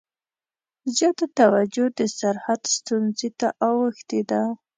زیاته توجه د سرحد ستونزې ته اوښتې ده.